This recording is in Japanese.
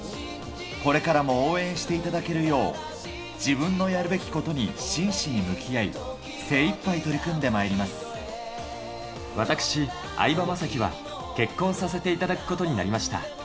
これからも応援していただけるよう、自分のやるべきことに真摯に向き合い、精いっぱい取り組んで私、相葉雅紀は結婚させていただくことになりました。